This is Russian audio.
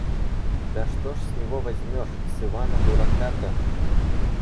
Да что ж с него возьмёшь, с Ивана Дурака-то?